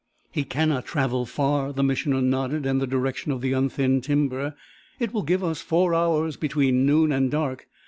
"He cannot travel far." The Missioner nodded in the direction of the unthinned timber. "It will give us four hours, between noon and dark.